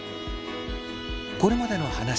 これまでの話は。